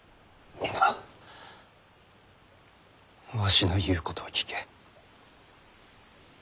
皆わしの言うことを聞け。